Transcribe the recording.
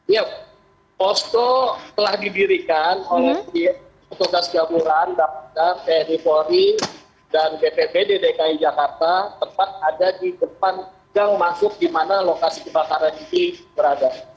ya posko telah didirikan oleh petugas gabungan basar tni polri dan bppd dki jakarta tepat ada di depan gang masuk di mana lokasi kebakaran ini berada